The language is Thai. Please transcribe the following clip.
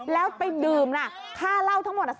แล้วไปดื่มค่าเหล้าทั้งหมด๓๐๐๐บาท